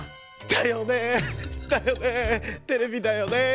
だよねだよねテレビだよね。